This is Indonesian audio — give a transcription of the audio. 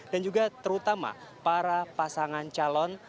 dan juga terutama para pasangan calon